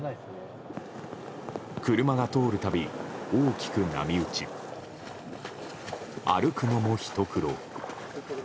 車が通る度、大きく波打ち歩くのも、ひと苦労。